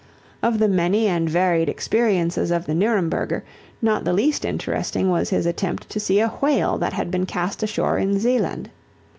Of the many and varied experiences of the Nuremberger, not the least interesting was his attempt to see a whale that had been cast ashore in Zealand.